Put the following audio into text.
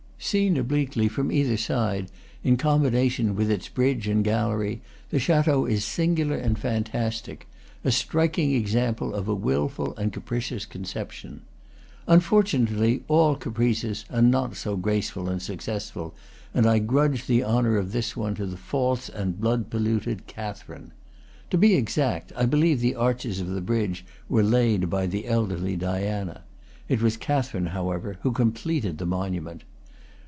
Seen obliquely, from either side, in combination with its bridge and gallery, the chateau is singular and fantastic, a striking example of a wilful and capricious conception. Unfortunately, all caprices are not so graceful and successful, and I grudge the honor of this one to the false and blood polluted Catherine. (To be exact, I believe the arches of the bridge were laid by the elderly Diana. It was Catherine, however, who completed the monument.)